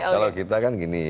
kalau kita kan gini